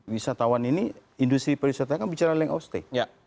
wisatawan ini industri perwisataan kan bicara lengkau stay